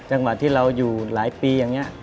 จังหวะที่เราอยู่หลายปีอย่างนี้